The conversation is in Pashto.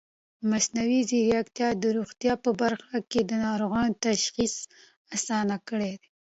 مصنوعي ځیرکتیا د روغتیا په برخه کې د ناروغانو تشخیص اسانه کړی دی.